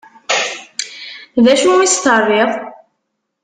D acu i as-terriḍ?